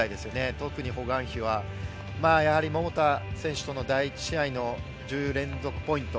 特にホ・グァンヒは桃田選手との第１試合の１０連続ポイント